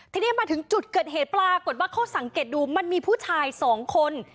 ทีนี้มาถึงจุดเกิดเหตุปรากฏว่าเขาสังเกตดูมันมีผู้ชายสองคน